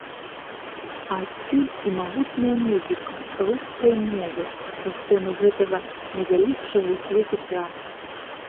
А адсюль і магутная музыка рускай мовы са сцэны гэтага найвялікшага ў свеце тэатра.